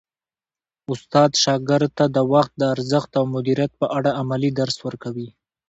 استاد شاګرد ته د وخت د ارزښت او مدیریت په اړه عملي درس ورکوي.